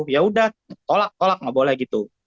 ya udah tolak tolak gak boleh gitu